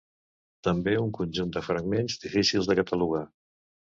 També un conjunt de fragments difícils de catalogar.